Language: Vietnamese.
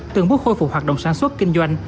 tường bút khôi phục hoạt động sản xuất kinh doanh